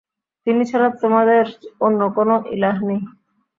তিনি ছাড়া তোমাদের অন্য কোন ইলাহ্ নেই।